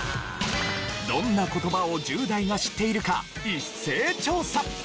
どんな言葉を１０代が知っているか一斉調査！